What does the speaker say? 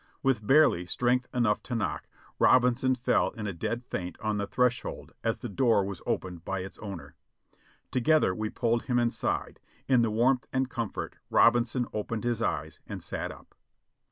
With barely strength enough to knock, Robinson fell in a dead faint on the threshold as the door was opened by its owner. Together we pulled him inside ; in the warmth and comfort, Robinson opened his eyes and sat up.